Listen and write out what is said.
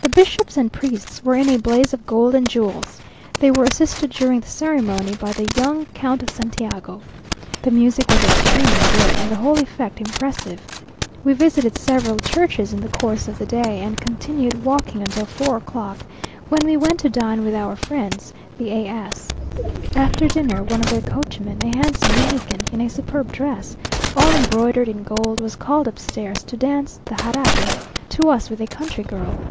The bishops and priests were in a blaze of gold and jewels. They were assisted during the ceremony by the young Count of Santiago. The music was extremely good, and the whole effect impressive. We visited several churches in the course of the day, and continued walking until four o'clock, when we went to dine with our friends the A s. After dinner one of their coachmen, a handsome Mexican, in a superb dress, all embroidered in gold, was called upstairs to dance the Jarabe to us with a country girl.